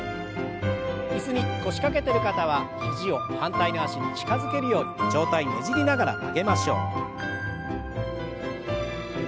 椅子に腰掛けてる方は肘を反対の脚に近づけるように上体ねじりながら曲げましょう。